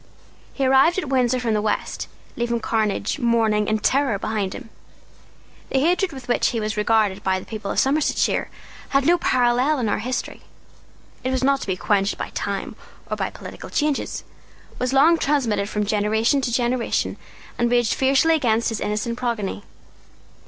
He arrived at Windsor from the West, leaving carnage, mourning, and terror behind him. The hatred with which he was regarded by the people of Somersetshire has no parallel in our history. It was not to be quenched by time or by political changes, was long transmitted from generation to generation, and raged fiercely against his innocent progeny.